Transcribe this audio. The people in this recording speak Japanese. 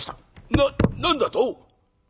「な何だと？